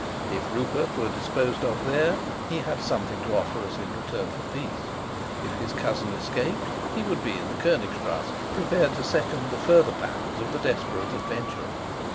If Rupert were disposed of there, he had something to offer us in return for peace; if his cousin escaped, he would be in the Konigstrasse, prepared to second the further plans of the desperate adventurer.